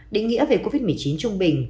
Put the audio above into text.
định nghĩa về covid một mươi chín trung bình